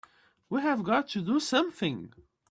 We've got to do something!